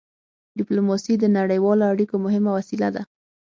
ډيپلوماسي د نړیوالو اړیکو مهمه وسيله ده.